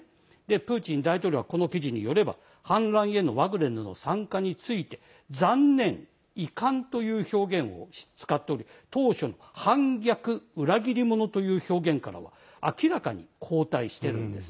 プーチン大統領はこの記事によれば反乱へのワグネルの参加について残念・遺憾という表現を使っており当初の反逆、裏切り者という表現からは明らかに後退してるんです。